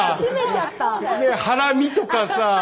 ハラミとかさあ。